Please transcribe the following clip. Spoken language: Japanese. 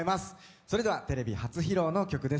それではテレビ初披露の曲です。